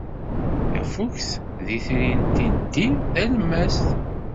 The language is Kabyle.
Tafukt d itri n tiddi talemmast.